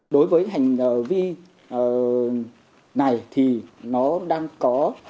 đối với hành vi này thì nó đang có